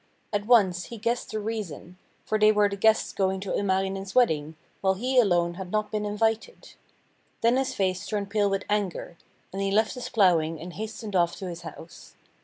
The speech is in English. At once he guessed the reason, for they were the guests going to Ilmarinen's wedding, while he alone had not been invited. Then his face turned pale with anger, and he left his ploughing and hastened off to his house.